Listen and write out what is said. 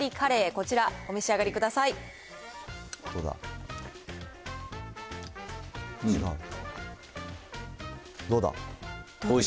こちらお召し上がりください。